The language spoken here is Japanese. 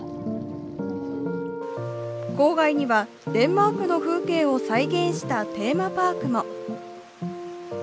郊外にはデンマークの風景を再現したテーマパークも。